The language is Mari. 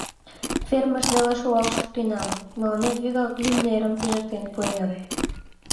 Фермыш веле шогал шуктенам, мыланем вигак лӱмнерым пижыктен пуэныт.